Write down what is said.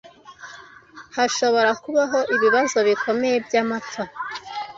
hashobora kubaho ibibazo bikomeye by'amapfa.